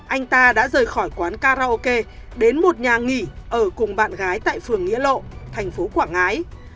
anh ta đã rời khỏi quán karaoke đến một nhà nghỉ ở cùng bạn gái tại phường nghĩa lộ thành phố quảng ngãi